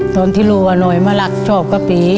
ตอนที่รู้ว่าหน่อยมารักชอบกะปี